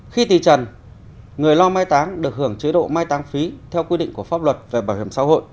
khi tì trần người lo mai táng được hưởng chế độ mai tăng phí theo quy định của pháp luật về bảo hiểm xã hội